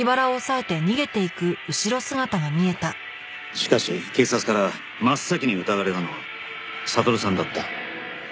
しかし警察から真っ先に疑われたのは悟さんだった。